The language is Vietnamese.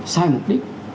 sai mục đích